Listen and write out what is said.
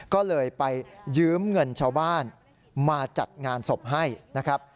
ก็เลยไปยืมเงินชาวบ้านมาจัดงานศพให้นะครับ